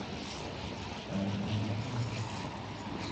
وَآخِرُهَا فَنَاءٌ